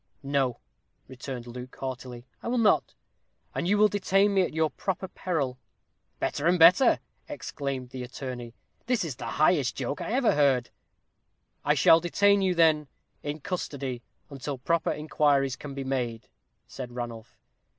"No," returned Luke, haughtily, "I will not and you will detain me at your proper peril." "Better and better," exclaimed the attorney. "This is the highest joke I ever heard." "I shall detain, you, then, in custody, until proper inquiries can be made," said Ranulph.